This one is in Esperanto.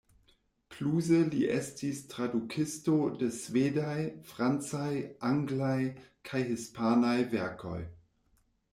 Pluse li estis tradukisto de svedaj, francaj, anglaj kaj hispanaj verkoj.